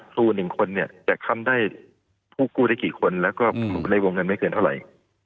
ครู๑คนเนี่ยจะทำได้ผู้กู้ได้กี่คนแล้วก็ในวงเงินไม่เกินเท่าไหร่